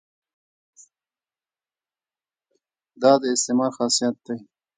دا د استعمار خاصیت دی.